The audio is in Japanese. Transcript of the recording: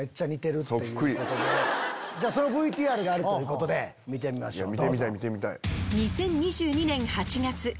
そのＶＴＲがあるということで見てみましょうどうぞ。